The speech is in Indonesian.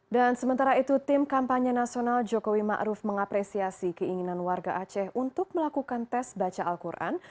dan sementara itu tim kampanye nasional jokowi ma'ruf mengapresiasi keinginan warga aceh untuk melakukan tes baca al quran